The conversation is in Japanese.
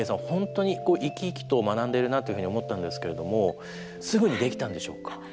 ほんとに生き生きと学んでるなというふうに思ったんですけれどもすぐにできたんでしょうか？